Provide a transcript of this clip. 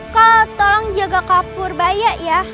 kau tolong jaga kapurbaia ya